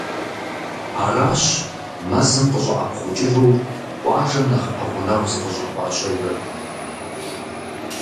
Аращ мэзым къыщӏэӏэпхъукӏыжу къуажэм нэхъ пэгъунэгъу зыкъыщӏыхуащӏыжар.